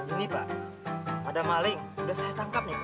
ini pak ada maling udah saya tangkap nih